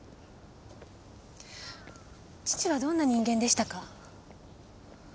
父はどんな人間でしたか？